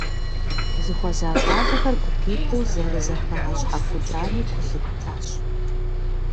Дызыхуэза щIалэхэр гупитIу зэрызэхэгъэщхьэхукIами гу лъыттащ.